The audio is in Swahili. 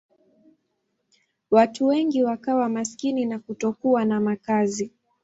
Watu wengi wakawa maskini na kutokuwa na makazi.